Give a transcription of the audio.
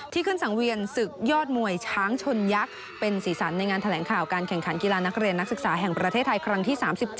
ขึ้นสังเวียนศึกยอดมวยช้างชนยักษ์เป็นสีสันในงานแถลงข่าวการแข่งขันกีฬานักเรียนนักศึกษาแห่งประเทศไทยครั้งที่๓๗